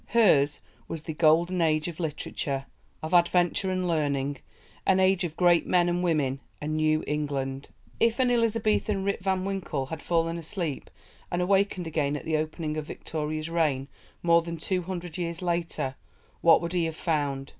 Hers was the Golden Age of Literature, of Adventure and Learning, an age of great men and women, a New England. If an Elizabethan Rip Van Winkle had fallen asleep and awakened again at the opening of Victoria's reign, more than 200 years later, what would he have found?